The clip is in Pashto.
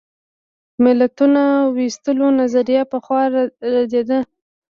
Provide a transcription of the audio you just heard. د ملتونو وېستلو نظریه پخوا ردېده.